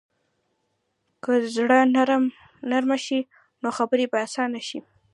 که زړه نرمه شي، نو خبرې به اسانه شي.